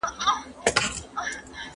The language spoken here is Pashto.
ټولنیز حالت د اقتصادي بدلونونو اغېز نه پټوي.